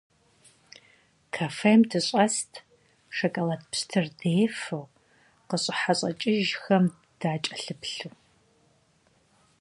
Кафем дыщӀэст, шоколад пщтыр дефэу, къыщӏыхьэ-щӏэкӏыжхэм дакӀэлъыплъу.